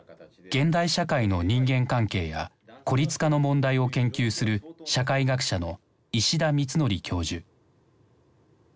現代社会の人間関係や孤立化の問題を研究する社会学者の石田光規教授。